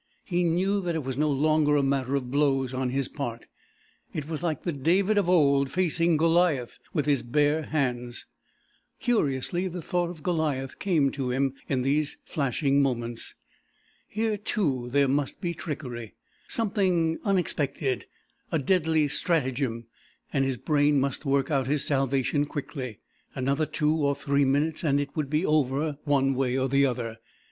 He knew that it was no longer a matter of blows on his part it was like the David of old facing Goliath with his bare hands. Curiously the thought of Goliath came to him in these flashing moments. Here, too, there must be trickery, something unexpected, a deadly stratagem, and his brain must work out his salvation quickly. Another two or three minutes and it would be over one way or the other.